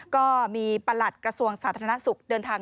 ก็มีประหลัดกระทรวงสถานะศุกร์เดินทาง